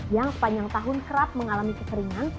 yang sepanjang tahun kerap mengalami kekeringan